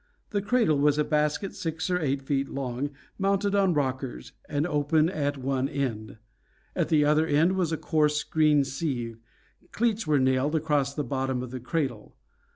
The cradle was a basket six or eight feet long, mounted on rockers, and open at one end; at the other end was a coarse screen sieve. Cleats were nailed across the bottom of the cradle.